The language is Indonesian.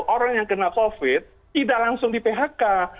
orang yang kena covid tidak langsung diphk